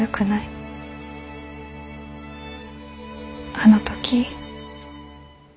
あの時。